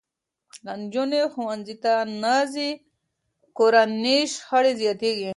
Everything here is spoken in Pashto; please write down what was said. که نجونې ښوونځي ته نه ځي، کورني شخړې زیاتېږي.